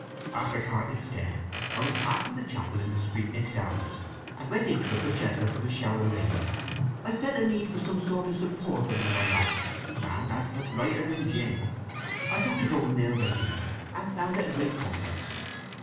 After Cartlett's death I was passing the chapel in the street next ours, and went into it for shelter from a shower of rain. I felt a need of some sort of support under my loss, and, as 'twas righter than gin, I took to going there regular, and found it a great comfort.